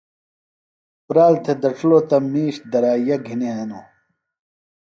پرال تھےۡ دڇِھلوۡ تہ مِیش درائِیا گِھنیۡ ہِنوۡ۔